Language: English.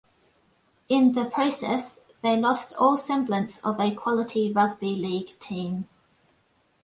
In the process they lost all semblance of a quality rugby league team.